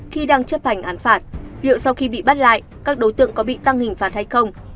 khi đang chấp hành án phạt liệu sau khi bị bắt lại các đối tượng có bị tăng hình phạt hay không